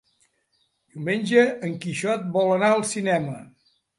Diumenge en Quixot vol anar al cinema.